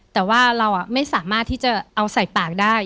แต่ว่าเราไม่สามารถที่จะเอาใส่ปากได้